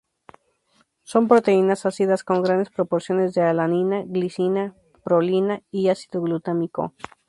Son proteínas ácidas con grandes proporciones de alanina, glicina, prolina y ácido glutámico.